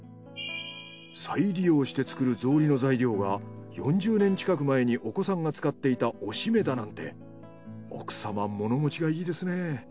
再利用して作る草履の材料が４０年近く前にお子さんが使っていたおしめだなんて奥様物持ちがいいですね。